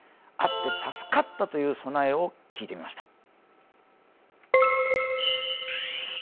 あって助かったという備えを聞いてみました。